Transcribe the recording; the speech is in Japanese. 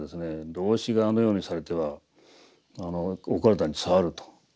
「老師があのようにされてはお体に障る」と。